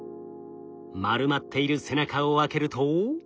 丸まっている背中を開けると。